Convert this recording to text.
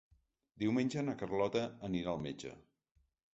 Diumenge na Carlota anirà al metge.